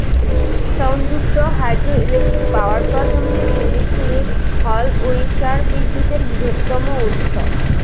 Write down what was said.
সংযুক্ত hydroelectric power প্রজন্মের ইউনিটগুলি হ'ল উড়িষ্যার বিদ্যুতের বৃহত্তম উৎস।